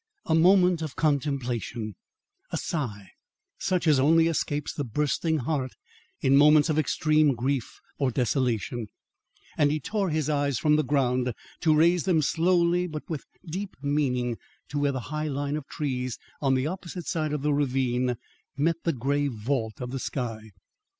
A moment of contemplation a sigh, such as only escapes the bursting heart in moments of extreme grief or desolation and he tore his eyes from the ground to raise them slowly but with deep meaning to where the high line of trees on the opposite side of the ravine met the grey vault of the sky.